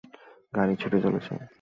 গাড়ি ছুটে চলেছে।